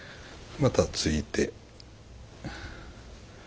またついて。